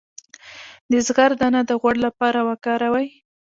د زغر دانه د غوړ لپاره وکاروئ